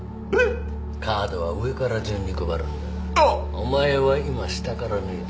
お前は今下から抜いた。